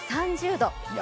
３０度。